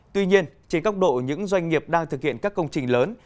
tuy nhiên trên góc độ những doanh nghiệp đang thực hiện các công trình lớn